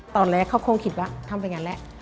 ตอนแรกเขาคงคิดว่าทำไปงั้นแล้ว